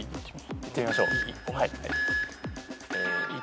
いってみましょう。